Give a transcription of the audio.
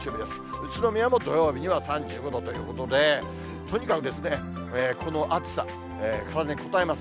宇都宮も土曜日には３５度ということで、とにかくこの暑さ、体にこたえます。